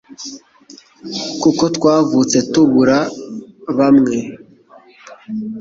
kuko twavutse tubura bamwe